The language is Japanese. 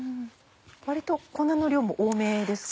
割と粉の量も多めですか？